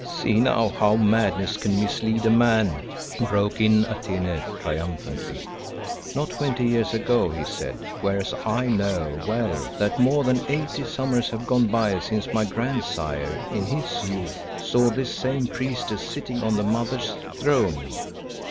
"See now, how madness can mislead a man," broke in Atene triumphantly. "'Not twenty years ago,' he said, whereas I know well that more than eighty summers have gone by since my grandsire in his youth saw this same priestess sitting on the Mother's throne."